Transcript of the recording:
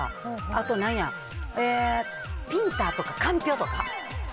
あと、ピータンとかかんぴょうとか。